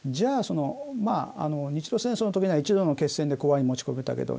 日露戦争の時には一度の決戦で講和に持ち込めた。